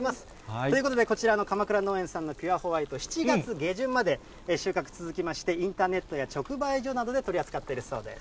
ということでこちらのかまくら農園さんのピュアホワイト、７月下旬まで収穫続きまして、インターネットや直売所などで取り扱っているそうです。